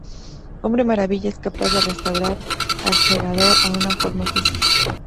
Hombre Maravilla es capaz de restaurar al Segador a una forma física.